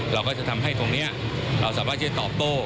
เราก็จะทำให้ตรงนี้เราสามารถที่จะตอบโต้